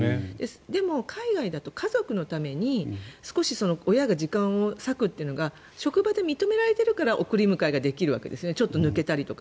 でも、海外だと家族のために少し親が時間を割くというのが職場で認められているから送り迎えができるわけですね。